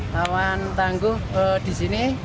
tawan tangguh disini